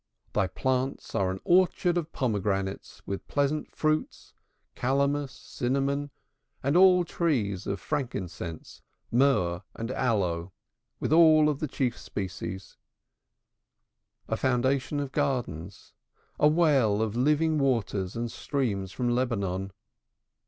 Thy plants are an orchard of pomegranates, with pleasant fruits, calamus, cinnamon with all trees of frankincense; myrrh and aloe with all the chief spices; a fountain of gardens; a well of living waters and streams from Lebanon.